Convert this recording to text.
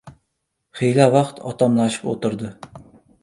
Xiyla vaqt otamlashib o‘tirdi.